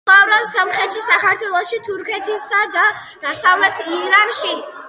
ცხოვრობს სომხეთში, საქართველოში, თურქეთსა და დასავლეთ ირანში.